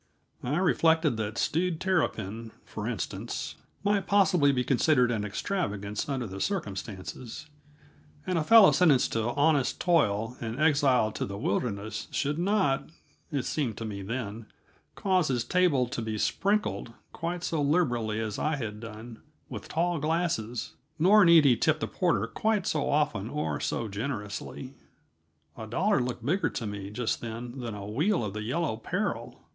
I reflected that stewed terrapin, for instance, might possibly be considered an extravagance under the circumstances; and a fellow sentenced to honest toil and exiled to the wilderness should not, it seemed to me then, cause his table to be sprinkled, quite so liberally as I had done, with tall glasses nor need he tip the porter quite so often or so generously. A dollar looked bigger to me, just then, than a wheel of the Yellow Peril.